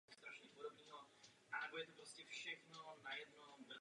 Způsobil pozdvižení.